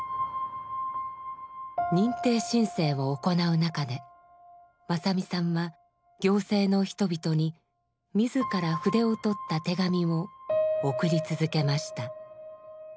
認定申請を行う中で正実さんは行政の人々に自ら筆を執った手紙を送り続けました。